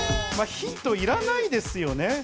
ヒント、いらないですよね。